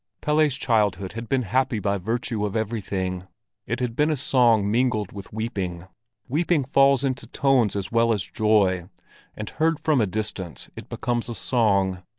Pelle's childhood had been happy by virtue of everything; it had been a song mingled with weeping. Weeping falls into tones as well as joy, and heard from a distance it becomes a song.